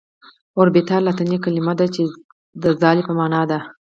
اوربيتال لاتيني کليمه ده چي د ځالي په معنا ده .